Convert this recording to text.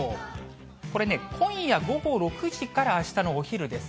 これね、今夜午後６時からあしたのお昼です。